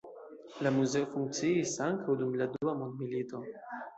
La muzeo funkciis ankaŭ dum la dua mondmilito.